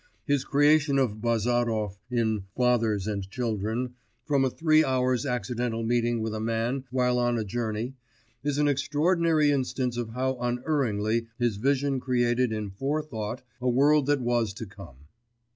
His creation of Bazarov in Fathers and Children from a three hours' accidental meeting with a man while on a journey, is an extraordinary instance of how unerringly his vision created in fore thought a world that was to come.